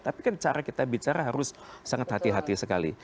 tapi kan cara kita bicara harus sangat hati hati sekali